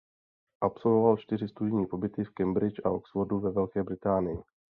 Absolvoval čtyři studijní pobyty v Cambridgi a Oxfordu ve Velké Británii.